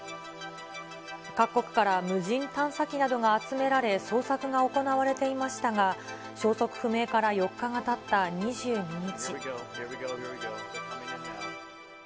各国から無人探査機などが集められ、捜索が行われていましたが、消息不明から４日がたった２２日。